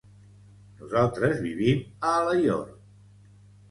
Nosaltres vivim a Alaior.